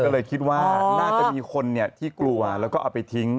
ก็เลยคิดว่าน่าจะมีคนที่กลัวแล้วก็เอาไปทิ้ง